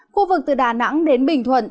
khu vực từ đà nẵng đến bình thuận